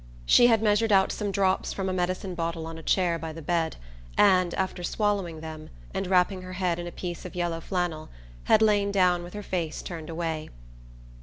She had measured out some drops from a medicine bottle on a chair by the bed and, after swallowing them, and wrapping her head in a piece of yellow flannel, had lain down with her face turned away.